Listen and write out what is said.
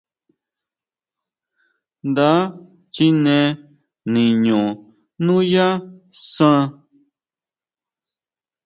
Nda chine niño nuyá san.